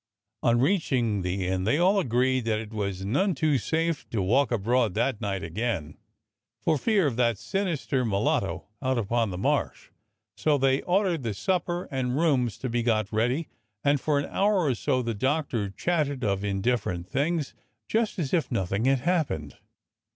On reaching the inn they all agreed that it was none too safe to walk abroad that night again, for fear of that sinister mulatto out upon the Marsh, so they ordered the supper and rooms to be got ready, and for an hour or so the Doctor chatted of indifferent things, just as if nothing had happened.